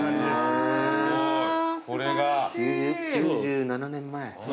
９７年前。